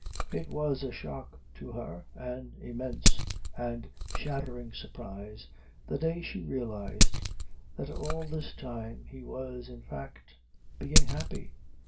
It was a shock to her, an immense and shattering surprise, the day she realised that all this time he was, in fact, being happy.